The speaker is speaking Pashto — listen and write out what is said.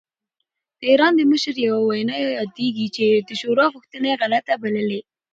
د ایران د مشر یوه وینا یادېږي چې د شوروي غوښتنه یې غلطه بللې.